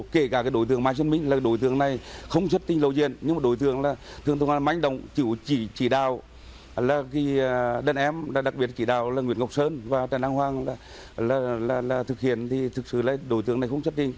kể cả đối tượng mai văn minh là đối tượng này